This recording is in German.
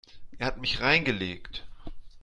Er hat mich reingelegt.